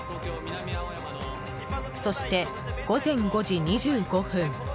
そして午前５時２５分。